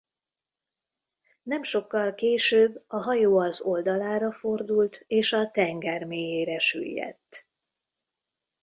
Nem sokkal később a hajó az oldalára fordult és a tenger mélyére süllyedt.